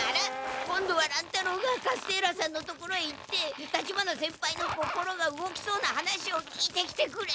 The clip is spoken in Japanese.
今度は乱太郎がカステーラさんの所へ行って立花先輩の心が動きそうな話を聞いてきてくれ！